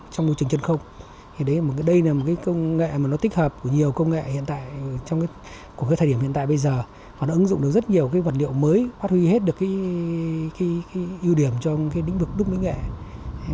trong thời điểm hiện tại bây giờ họ đã ứng dụng được rất nhiều vật liệu mới phát huy hết được yếu điểm trong lĩnh vực đúc đồng nghệ